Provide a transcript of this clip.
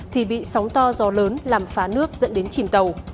thì bị sóng to gió lớn làm phá nước dẫn đến chìm tàu